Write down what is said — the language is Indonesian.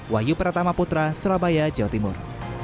wahyu pratama putra surabaya jawa timur